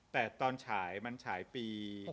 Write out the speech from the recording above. แต่ตอนฉายมันฉายปี